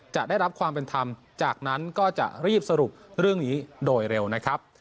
จะได้รับความเป็นธรรมจากนั้นก็จะรีบสรุปเรื่องนี้โดยเร็วนะครับ